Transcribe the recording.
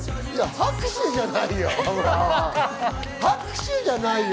拍手じゃないよ。